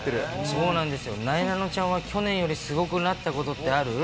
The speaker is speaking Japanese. そうなんですよ、なえなのちゃんは、去年よりすごくなったことってある？